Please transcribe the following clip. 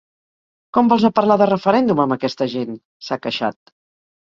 Com vols a parlar de referèndum amb aquesta gent!, s’ha queixat.